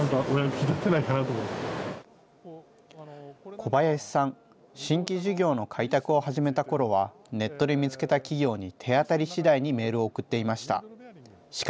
小林さん、新規事業の開拓を始めたころは、ネットで見つけた企業に手当たり次第にメールを送っていました。